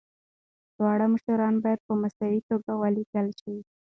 دواړه مشران باید په مساوي توګه ولیکل شي.